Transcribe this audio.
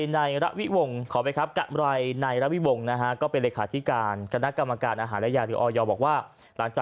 นายแพทย์ถ้าเหร็จ